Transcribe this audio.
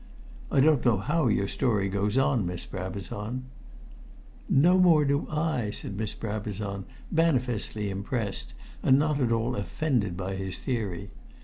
I don't know how your story goes on, Miss Brabazon " "No more do I," said Miss Brabazon, manifestly impressed and not at all offended by his theory.